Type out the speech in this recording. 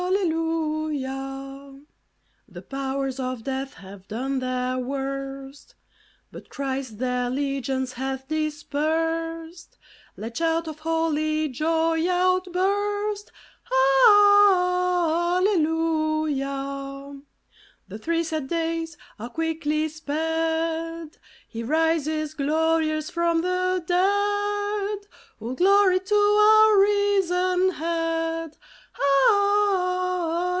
The powers of death have done their worst, But Christ their legions hath dispersed ; Let shout of holy joy outburst : Hallelujah ! The three sad days are quickly sped ; He rises glorious from the dead ; All glory to our risen Head